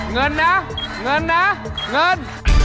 เงินนะเงินนะเงิน